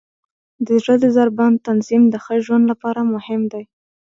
د زړه د ضربان تنظیم د ښه ژوند لپاره مهم دی.